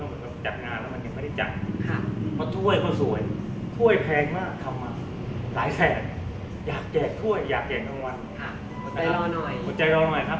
อาเราต้องการหน่อยต้องการหน่อยครับ